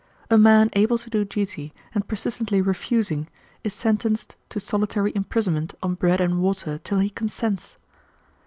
A man able to do duty, and persistently refusing, is sentenced to solitary imprisonment on bread and water till he consents.